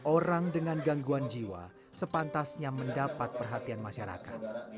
orang dengan gangguan jiwa sepantasnya mendapat perhatian masyarakat